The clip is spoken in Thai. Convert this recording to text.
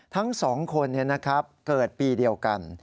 ทั้ง๒คนเกิดปีเดียวกัน